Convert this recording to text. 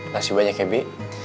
nasi banyak ya bi